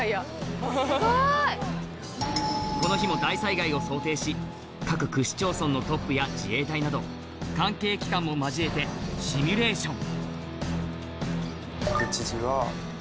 すごい！この日も大災害を想定し各区市町村のトップや自衛隊など関係機関も交えてシミュレーション